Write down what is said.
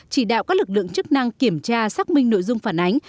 chỉ đạo các lực lượng chức năng kiểm tra xác minh nội dung phản ánh